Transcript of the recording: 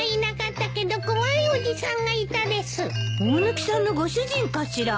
大貫さんのご主人かしら。